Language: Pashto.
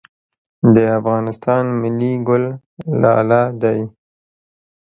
د افغانستان ملي ګل لاله دی